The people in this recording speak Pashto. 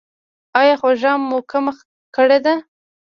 ایا خوږه مو کمه کړې ده؟